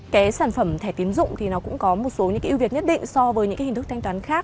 cái sản phẩm thẻ tiến dụng thì nó cũng có một số những cái ưu việt nhất định so với những cái hình thức thanh toán khác